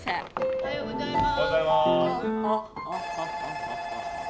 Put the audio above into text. おはようございます。